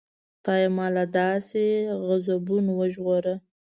خدایه ما له داسې غضبونو وژغوره.